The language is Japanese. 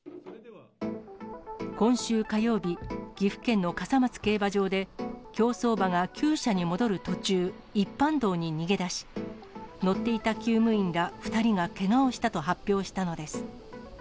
今週火曜日、岐阜県の笠松競馬場で、競走馬がきゅう舎に戻る途中、一般道に逃げ出し、乗っていたきゅう務員ら２人がけがをしたと発表したのです。